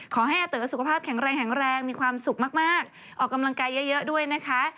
ขอให้อาเต๋อสุขภาพแข็งแรงแข็งแรงมีความสุขมากออกกำลังกายเยอะด้วยนะคะ